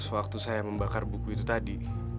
waktu saya membakar buku itu tadi